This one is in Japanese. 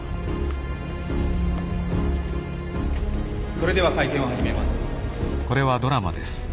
「それでは会見を始めます」。